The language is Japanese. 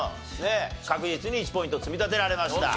確実に１ポイント積み立てられました。